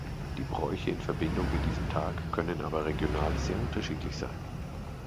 Die Bräuche in Verbindung mit diesem Tag können aber regional sehr unterschiedlich sein.